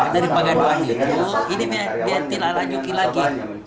dari perganduan itu ini dia tidak lanjuki lagi